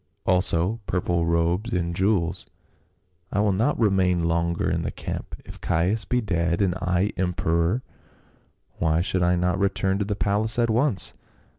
also purple robes and jewels ; I will not remain longer in the camp ; if Caius be dead and I emperor, why should I not return to the palace at once